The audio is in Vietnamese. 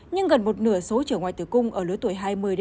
nhưng gần một nửa số chữa ngoài từ cung ở lứa tuổi hai mươi hai mươi chín